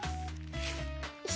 よし。